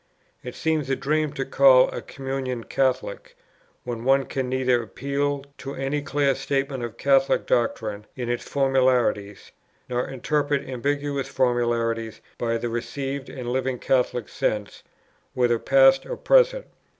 It seems a dream to call a communion Catholic, when one can neither appeal to any clear statement of Catholic doctrine in its formularies, nor interpret ambiguous formularies by the received and living Catholic sense, whether past or present.